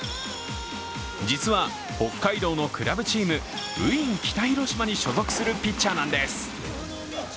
実は、北海道のクラブチームウイン北広島に所属するピッチャーなんです。